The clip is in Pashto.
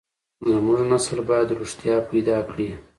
زموږ نسل بايد رښتيا پيدا کړي.